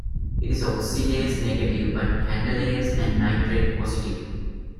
It is oxidase-negative but catalase- and nitrate-positive.